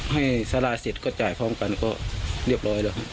ให้ซะลาเซ็ทจ่ายผ้องกันก็เรียบร้อยแล้ว